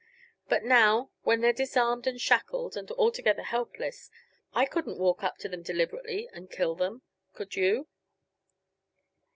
But now, when they're disarmed and shackled and altogether helpless, I couldn't walk up to them deliberately and kill them could you?